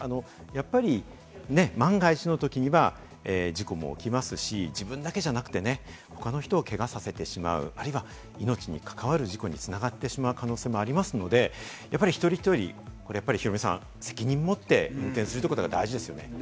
万が一の時には、事故も起きますし、自分だけじゃなくて他の人をけがさせてしまう、或いは命に関わる事故に繋がってしまう可能性もありますので、一人一人、ヒロミさん、責任を持って運転することが大事ですね。